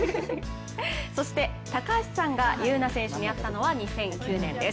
そして高橋さんが、優苗選手に会ったのは、２００９年です。